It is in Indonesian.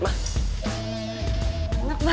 mana cuma hankerin doang